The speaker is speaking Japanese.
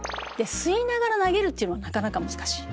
吸いながら投げるっていうのはなかなか難しい。